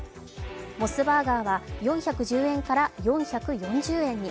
モスバーガーは４１０円から４４０円に。